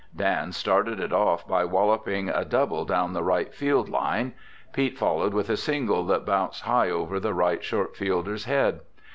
Dan started it off by walloping a double down the right field line. Pete followed with a single that bounced high over the right shortfielder's head.